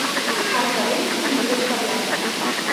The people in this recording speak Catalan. A Arcavell, collidors de blat.